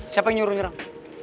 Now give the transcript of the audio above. siapa yang nyuruh nyerang